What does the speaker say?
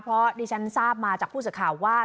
เพราะที่ฉันทราบมาจากผู้สิทธิ์ข่าวว่า